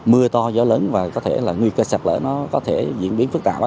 mưa to gió lớn và có thể là nguy cơ sạc lỡ nó có thể diễn biến phức tạp